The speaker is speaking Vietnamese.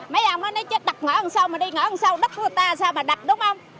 mấy ông nói chết đặt ngõ ngang sau mà đi ngõ ngang sau đất của người ta sao mà đặt đúng không